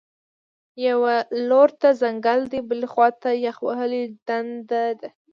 یوه لور ته ځنګل دی، بلې خوا ته یخ وهلی ډنډ دی